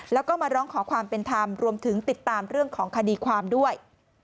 แล้วก็มาร้องขอความเป็นธรรมรวมถึงติดตามเรื่องของคดีความด้วย